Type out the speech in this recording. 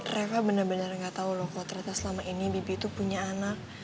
reva benar benar gak tahu loh kalau ternyata selama ini bibi tuh punya anak